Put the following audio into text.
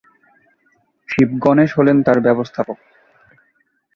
শিব গণেশ হলেন তাঁর ব্যবস্থাপক।